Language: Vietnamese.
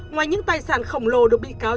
ngoài những tài sản khổng lồ được bị cáo